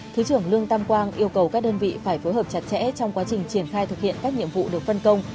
thứ trưởng lương tam quang yêu cầu các đơn vị phải phối hợp chặt chẽ trong quá trình triển khai thực hiện các nhiệm vụ được phân công